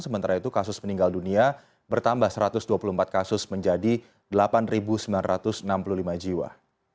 sementara itu kasus meninggal dunia bertambah satu ratus dua puluh empat kasus menjadi delapan sembilan ratus enam puluh lima jiwa